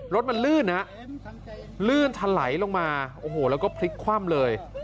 รถมันลื่นฮะลื่นทะไหลลงมาโอ้โหแล้วก็พลิกคว่ำเลย